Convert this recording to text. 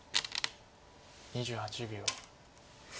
２８秒。